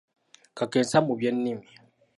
Kakensa mu by’ennimi.